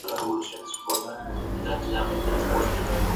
El siguiente es una lista de las Primeras Damas de Corea del norte.